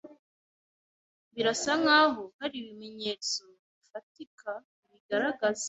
Birasa nkaho hari ibimenyetso bifatika bibigaragaza